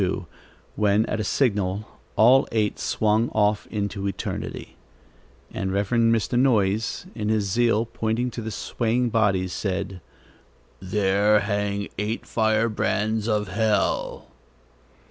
] It was the 19th of July, 1692, when, at a signal, all eight swung off into eternity, and Reverend Mr. Noyes, in his zeal, pointing to the swaying bodies, said: "There hang eight fire brands of hell!"